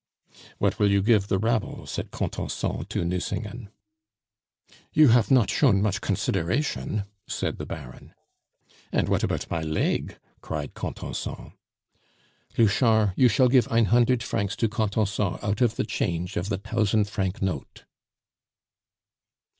"What will you give the rabble?" said Contenson to Nucingen. "You hafe not shown much consideration," said the Baron. "And what about my leg?" cried Contenson. "Louchard, you shall gife ein hundert francs to Contenson out of the change of the tousand franc note."